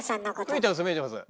見えてます見えてます。